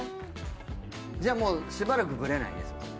じゃあもうしばらくぶれないね